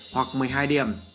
hoặc một mươi hai điểm